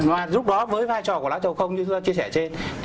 và lúc đó với vai trò của lá chầu không như chúng ta chia sẻ ở trên